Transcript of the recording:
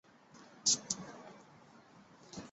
邓福如的奖项列表